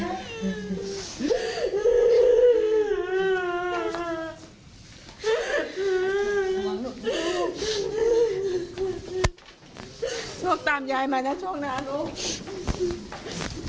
แม่แล้วก็ญาติเขาทำใจไม่ได้ร้องไห้กันน่ะนะคะ